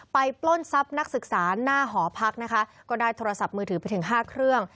ปล้นทรัพย์นักศึกษาหน้าหอพักนะคะก็ได้โทรศัพท์มือถือไปถึงห้าเครื่อง